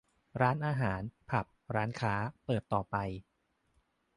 - ร้านอาหาร ผับ ร้านค้า เปิดต่อไป